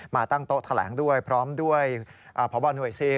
มาตั้งโต๊ะแถลงด้วยพร้อมด้วยพบศูนย์